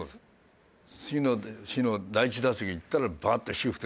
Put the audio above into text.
次の日の第１打席行ったらバーッとシフト敷かれてね。